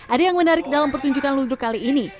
ada yang menarik dalam pertunjukan ludruk kali ini